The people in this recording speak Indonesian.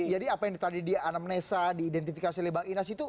jadi apa yang tadi di anamnesa diidentifikasi oleh bang inas itu